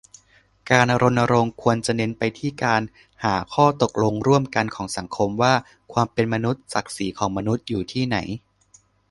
การรณรงค์ควรจะเน้นไปที่การหาข้อตกลงร่วมกันของสังคมว่าความเป็นมนุษย์ ศักดิ์ศรีของมนุษย์อยู่ที่ไหน